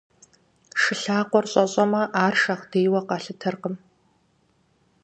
Шы лъакъуэр щӀэщӀамэ, ар шагъдийуэ къалъытэртэкъым.